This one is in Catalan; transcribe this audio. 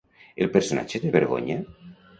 El personatge té vergonya?